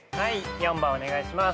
４番お願いします。